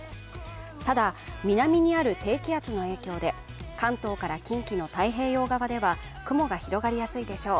ただ、南にある低気圧の影響で関東から近畿の太平洋側では雲が広がりやすいでしょう。